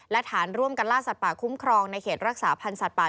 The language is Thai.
และฐานร่วมกันล่าสัตว์ป่าคุ้มครองในเขตรักษาพันธ์สัตว์ป่า